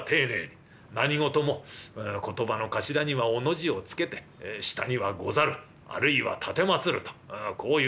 何事も言葉の頭には『お』の字をつけて下には『ござる』あるいは『奉る』とこう言う」。